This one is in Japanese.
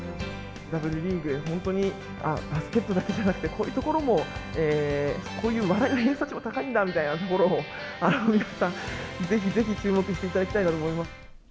Ｗリーグ、本当にバスケットだけじゃなくて、こういうところも、こういう笑いの偏差値も高いんだみたいなところもぜひぜひ注目していただきたいなと思います。